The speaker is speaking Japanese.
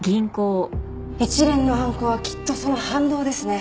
一連の犯行はきっとその反動ですね。